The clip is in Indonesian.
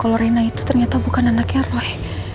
kalo reina itu ternyata bukan anaknya roy